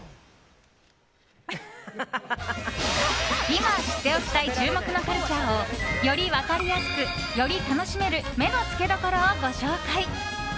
今知っておきたい注目のカルチャーをより分かりやすく、より楽しめる目のつけどころをご紹介。